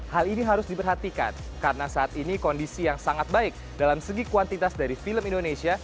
hal ini harus diperhatikan karena saat ini kondisi yang sangat baik dalam segi kuantitas dari film indonesia